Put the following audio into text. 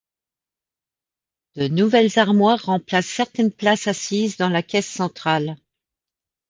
De nouvelles armoires remplacent certaines places assises dans la caisse centrale.